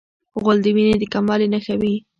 غول د وینې د کموالي نښه وي.